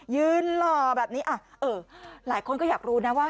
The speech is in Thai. หล่อแบบนี้หลายคนก็อยากรู้นะว่า